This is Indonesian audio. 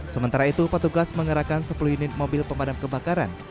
sementara itu petugas mengerahkan sepuluh unit mobil pemadam kebakaran